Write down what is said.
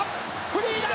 フリーだ。